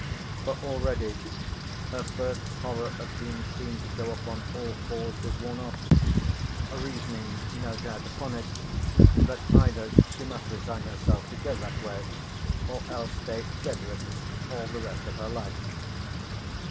For already her first horror of being seen to go upon all fours was worn off; reasoning no doubt upon it, that either she must resign herself to go that way or else stay bed ridden all the rest of her life.